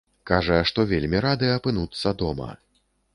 Кажа, што вельмі рады апынуцца дома.